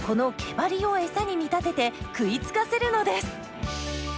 バリをエサに見立てて食いつかせるのです。